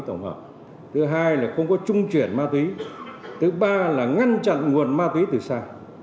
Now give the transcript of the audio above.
tổng hợp thứ hai là không có trung chuyển ma túy thứ ba là ngăn chặn nguồn ma túy từ xa